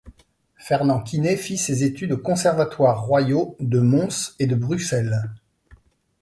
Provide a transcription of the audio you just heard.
Fernand Quinet fit ses études aux Conservatoires Royaux de Mons et de Bruxelles.